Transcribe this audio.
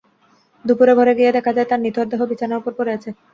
দুপুরে ঘরে গিয়ে দেখা যায়, তার নিথর দেহ বিছানার ওপর পড়ে আছে।